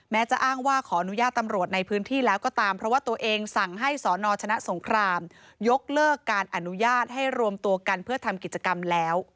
จะอ้างว่าขออนุญาตตำรวจในพื้นที่แล้วก็ตามเพราะว่าตัวเองสั่งให้สนชนะสงครามยกเลิกการอนุญาตให้รวมตัวกันเพื่อทำกิจกรรมแล้ว